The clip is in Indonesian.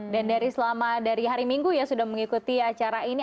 dan dari selama dari hari minggu ya sudah mengikuti acara ini